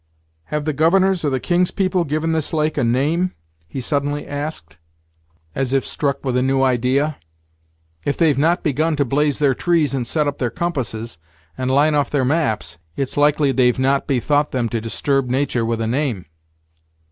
"Have the Governor's or the King's people given this lake a name?" he suddenly asked, as if struck with a new idea. "If they've not begun to blaze their trees, and set up their compasses, and line off their maps, it's likely they've not bethought them to disturb natur' with a name."